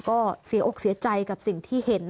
ก็เสียอกเสียใจกับสิ่งที่เห็น